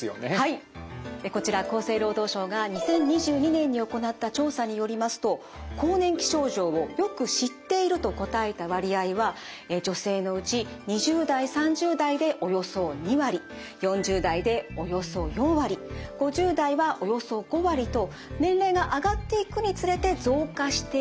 こちら厚生労働省が２０２２年に行った調査によりますと更年期症状を「よく知っている」と答えた割合は女性のうち２０代３０代でおよそ２割４０代でおよそ４割５０代はおよそ５割と年齢が上がっていくにつれて増加しているんですが。